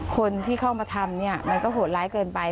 คนที่เข้ามาทำเนี่ยมันก็โหดร้ายเกินไป